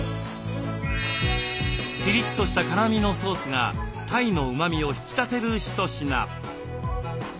ピリッとした辛みのソースが鯛のうまみを引き立てる一品。